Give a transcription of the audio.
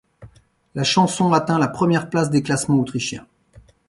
La chanson atteint la première place des classements autrichiens.